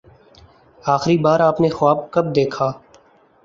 آخری بار آپ نے خواب کب دیکھا؟